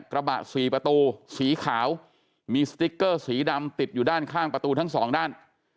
กระบะสี่ประตูสีขาวมีสติ๊กเกอร์สีดำติดอยู่ด้านข้างประตูทั้งสองด้าน